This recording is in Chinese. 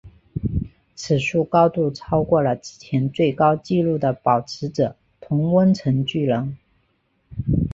此树高度超过了之前最高纪录的保持者同温层巨人。